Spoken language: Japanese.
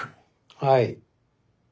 はい。